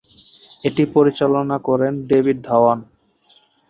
এটি পরিচালনা করেন ডেভিড ধাওয়ান।